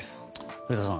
古田さん